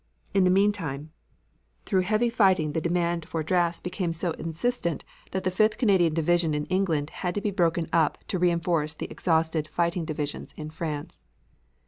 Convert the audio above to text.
In the meantime, through heavy fighting the demand for drafts became so insistent that the Fifth Canadian Division in England had to be broken up to reinforce the exhausted fighting divisions in France.